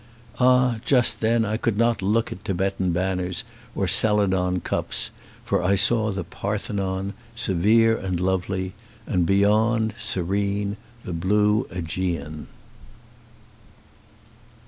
Ah, just then I could not look at Tibetan banners or celadon cups ; for I saw the Parthenon, severe and lovely, and beyond, serene, the blue iEgean.